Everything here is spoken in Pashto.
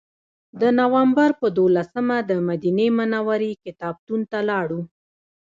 د نوامبر په دولسمه دمدینې منورې کتابتون ته لاړو.